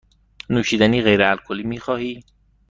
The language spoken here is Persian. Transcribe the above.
نوشیدنی غیر الکلی می خواهی؟